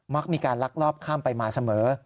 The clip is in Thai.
มีการลักลอบข้ามไปมาเสมอ